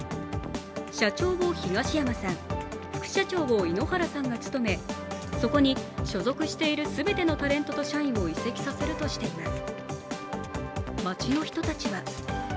社長を東山さん、副社長を井ノ原さんが務め、そこに全てのタレントと社員を移籍させるとしています。